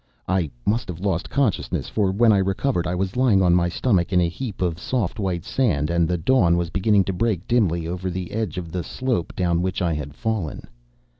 I must have lost consciousness, for when I recovered I was lying on my stomach in a heap of soft white sand, and the dawn was beginning to break dimly over the edge of the slope down which I had fallen.